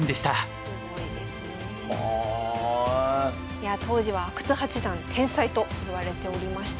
いやあ当時は阿久津八段天才といわれておりました。